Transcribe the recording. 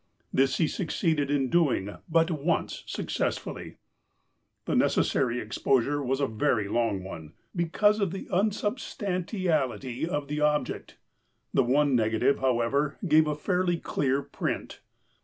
This he suc ceeded in doing but once successfully. The necessary exposure was a very long one, because of the unsubstantiality of the object. The one negative, however, gave a fairly clear print.